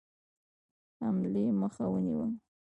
حملې مخه ونیوله.